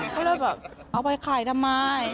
เขาเลยแบบเอาไปขายทำไม